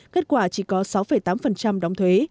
kết quả chỉ có sáu tám đóng thuế